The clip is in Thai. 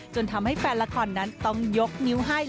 จนทำให้แฟนละครนั้นต้องยกนิ้วให้